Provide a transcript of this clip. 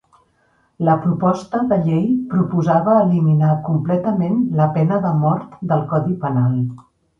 La proposta de llei proposava eliminar completament la pena de mort del Codi Penal.